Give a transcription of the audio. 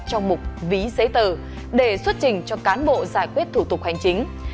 trong mục ví giấy tờ để xuất trình cho cán bộ giải quyết thủ tục hành chính